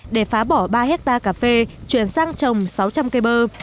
để phá bỏ ba hectare cà phê chuyển sang trồng sáu trăm linh cây bơ